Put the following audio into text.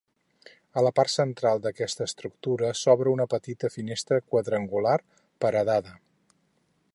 En la part central d'aquesta estructura s'obre una petita finestreta quadrangular, paredada.